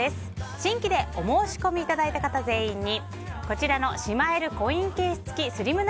新規でお申し込みいただいた方全員にしまえるコインケース付きスリム長